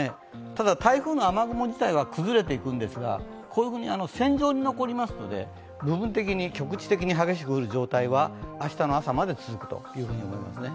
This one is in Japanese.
ただ、台風の雨雲自体は崩れていくんですが、線状に残りますので、部分的に局地的に激しく降る状態は明日の朝まで残ると考えていいですね。